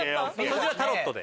そちらタロットで？